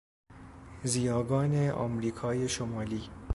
زیاگان امریکای شمالی